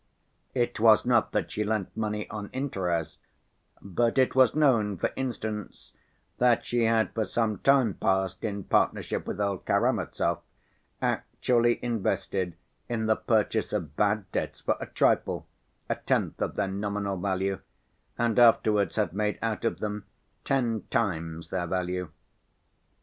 It was not that she lent money on interest, but it was known, for instance, that she had for some time past, in partnership with old Karamazov, actually invested in the purchase of bad debts for a trifle, a tenth of their nominal value, and afterwards had made out of them ten times their value.